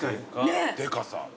でかさ。